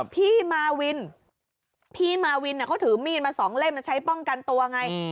พี่มาวินเขาถือมีดมา๒เล่มใช้ป้องกันตัวไง